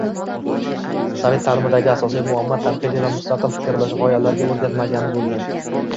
Sovet taʼlimidagi asosiy muammo tanqidiy va mustaqil fikrlash, gʻoyalarga oʻrgatmagani boʻlgan.